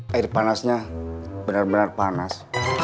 air panasnya benar benar panas